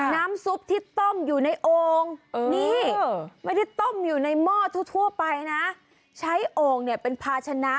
น้ำซุปที่ต้มอยู่ในโอ่งนี่ไม่ได้ต้มอยู่ในหม้อทั่วไปนะใช้โอ่งเนี่ยเป็นภาชนะ